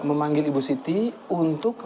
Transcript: memanggil ibu siti untuk